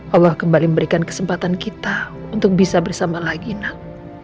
allah kembali memberikan kesempatan kita untuk bisa bersama lagi nak